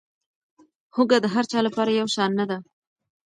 هوږه د هر چا لپاره یو شان نه ده.